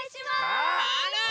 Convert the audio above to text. あら！